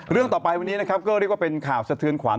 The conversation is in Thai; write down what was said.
เรื่องต่อไปวันนี้นะครับก็เรียกว่าเป็นข่าวสะเทือนขวัญ